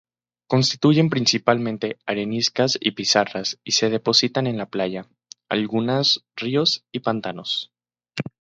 Constituyen principalmente areniscas y pizarras y se depositan en playas, lagunas, ríos y pantanos.